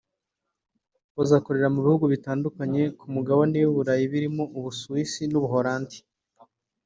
bazakora mu bihugu bitandukanye ku Mugabane w’i Burayi birimo u Busuwisi n’u Buholandi